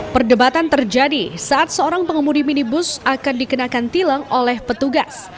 perdebatan terjadi saat seorang pengemudi minibus akan dikenakan tilang oleh petugas